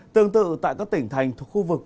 tương tự tại các tỉnh thành thuộc khu vực